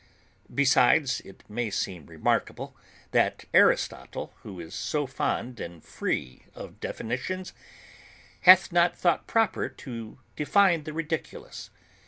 Besides, it may seem remarkable, that Aristotle, who is so fond and free of definitions, hath not thought proper to define the Ridiculous.